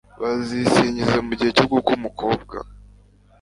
bazisingiza mu gihe cyo gukwa umukobwa